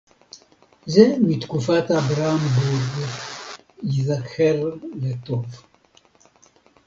זה מתקופת אברהם בורג, ייזכר לטוב